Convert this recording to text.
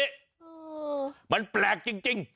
เออมันแปลกจริง